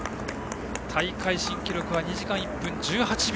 大会新記録は２時間１分１８秒。